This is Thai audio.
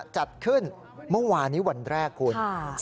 จัดขึ้นเมื่อวานนี้วันแรกคุณ